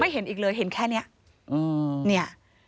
ไม่เห็นอีกเลยเห็นแค่เนี่ยนี่